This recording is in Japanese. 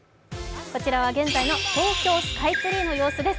こちらは現在の東京スカイツリーの様子です。